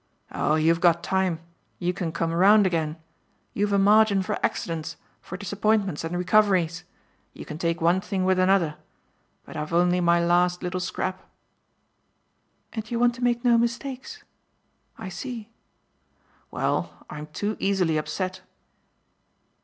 "Oh you've got time you can come round again; you've a margin for accidents, for disappointments and recoveries: you can take one thing with another. But I've only my last little scrap." "And you want to make no mistakes I see." "Well, I'm too easily upset."